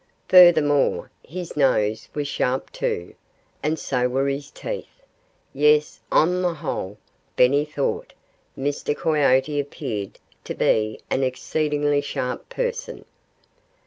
Furthermore, his nose was sharp, too. And so were his teeth. Yes! on the whole, Benny thought, Mr. Coyote appeared to be an exceedingly sharp person.